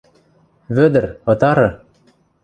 Вӧдӹр, ытары!